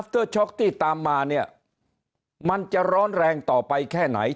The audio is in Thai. เตอร์ช็อกที่ตามมาเนี่ยมันจะร้อนแรงต่อไปแค่ไหน